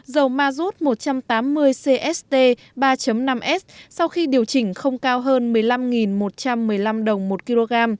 dầu mazut một trăm tám mươi cst ba năm s sau khi điều chỉnh không cao hơn một mươi năm một trăm một mươi năm đồng một kg